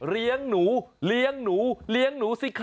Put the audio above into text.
เลี้ยงหนูเลี้ยงหนูเลี้ยงหนูสิคะ